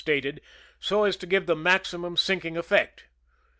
stated, so as to give the maximum sinking effect.